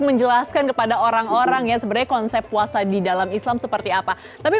menjelaskan kepada orang orang ya sebenarnya konsep puasa di dalam islam seperti apa tapi